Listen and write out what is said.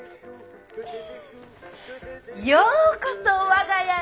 ようこそ我が家へ。